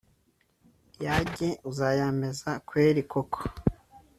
yajye uzayampeza kweri koko